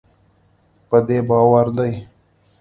په دې باور دی